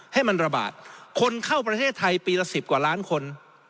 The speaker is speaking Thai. ให้มันระบาดคนเข้าประเทศไทยปีละ๑๐กว่าล้านคน